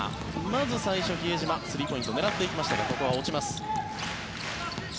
まず、最初比江島スリーポイント狙っていきましたがここは落ちます。